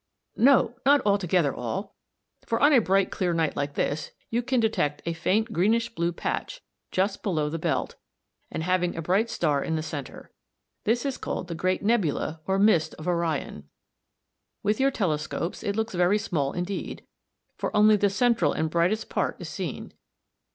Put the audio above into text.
No! not altogether all, for on a bright clear night like this you can detect a faint greenish blue patch (N, Fig. 54) just below the belt, and having a bright star in the centre. This is called the "Great Nebula" or mist of Orion (see Frontispiece). With your telescopes it looks very small indeed, for only the central and brightest part is seen.